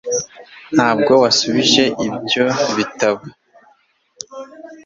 Ntabwo wasubije ibyo bitabo